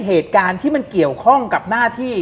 เหตุการณ์ที่มันเกี่ยวข้องกับหน้าที่